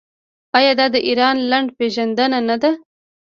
آیا دا د ایران لنډه پیژندنه نه ده؟